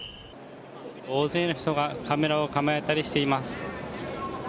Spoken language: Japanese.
大勢の人がカメラを構えたりしています。